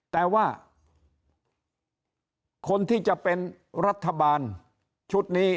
แต่ว่าคนที่จะเป็นรัฐบาลชุดนี้